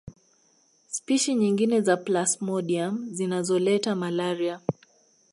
Spishi nyingine za plasmodium zinazoleta malaria